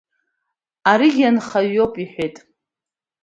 Аригьы анхаҩ иоуп, — иҳәеит.